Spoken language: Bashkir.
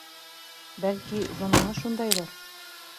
— Бәлки, заманы шундайҙыр.